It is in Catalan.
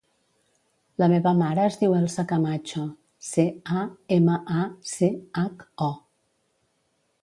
La meva mare es diu Elsa Camacho: ce, a, ema, a, ce, hac, o.